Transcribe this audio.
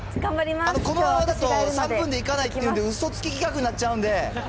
きょうはこのままだと３分でいかないっていうんで、うそつき企画になっちゃうんで。